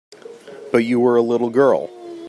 But you were a little girl.